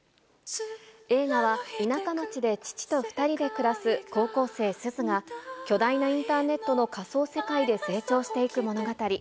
映画は田舎町で父と２人で暮らす高校生、すずが、巨大なインターネットの仮想世界で成長していく物語。